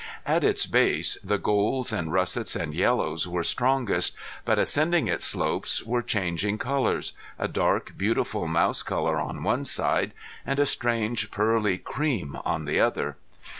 At its base the golds and russets and yellows were strongest, but ascending its slopes were changing colors a dark beautiful mouse color on one side and a strange pearly cream on the other.